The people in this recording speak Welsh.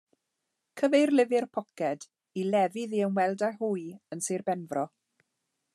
Cyfeirlyfr poced i lefydd i ymweld â hwy yn Sir Benfro.